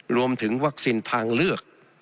รวมถึงวัคซีนทางเลือก